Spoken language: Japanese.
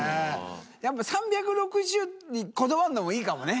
やっぱ３６０にこだわるのもいいかもね。